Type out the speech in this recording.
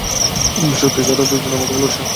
সত্যিই স্যার ওরা দুজনও আমাকে ভালোবাসে।